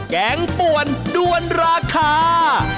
แกงป่วนด้วนราคา